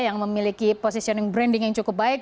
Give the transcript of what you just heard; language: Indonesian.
yang memiliki positioning branding yang cukup baik